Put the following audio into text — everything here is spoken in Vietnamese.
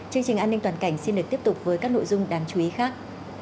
chương trình an ninh toàn cảnh xin được tiếp tục với các nội dung đáng chú ý khác